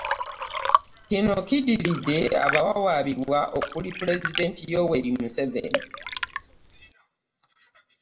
Kino kiddiridde abawawaabirwa okuli; Pulezidenti Yoweri Musevenim